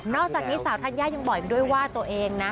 อ๋อนอกจากนี้สาวธัญญายักษ์ยังบ่อยด้วยว่าตัวเองนะ